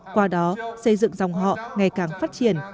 qua đó xây dựng dòng họ ngày càng phát triển